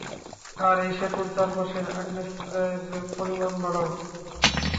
আর এই সেতুর চারপাশে আগ্নেয়াস্ত্রের পরিমাণ বাড়াও।